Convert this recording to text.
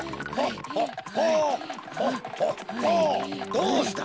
どうした？